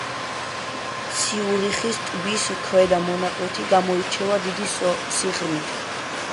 ციურიხის ტბის ქვედა მონაკვეთი გამოირჩევა დიდი სიღრმით.